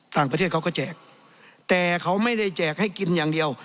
ต่างประเทศเขาก็แจกแต่เขาไม่ได้แจกให้กินอย่างเดียว